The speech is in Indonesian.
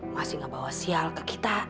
masih nggak bawa sial ke kita